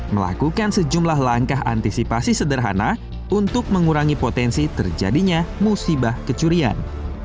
melakukan sejumlah langkah antisipasi sederhana untuk mengurangi potensi terjadinya musibah kecurian